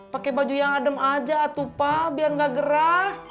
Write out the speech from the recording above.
pake baju yang adem aja atuh pak biar gak gerah